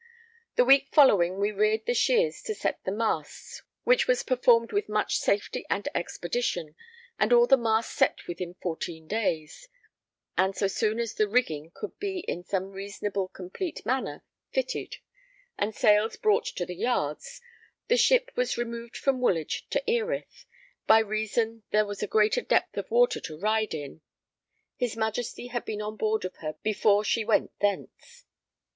The week following we reared the sheers to set the masts, which was performed with much safety and expedition, and all the masts set within fourteen days; and so soon as the rigging could be in some reasonable complete manner fitted, and sails brought to the yards, the ship was removed from Woolwich to Erith, by reason there was a greater depth of water to ride in. His Majesty had been on board of her before she went thence.